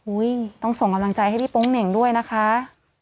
ต้องส่งกำลังใจให้พี่โป๊งเหน่งด้วยนะคะ